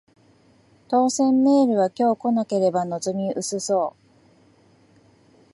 当せんメールは今日来なければ望み薄そう